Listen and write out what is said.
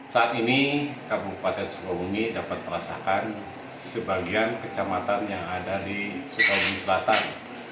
saat ini kabupaten sukabumi dapat merasakan sebagian kecamatan yang ada di sukabumi selatan